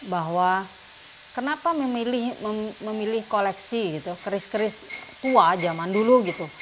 bahwa kenapa memilih koleksi keris keris tua jaman dulu gitu